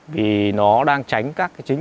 vì nó đang tránh các cái chính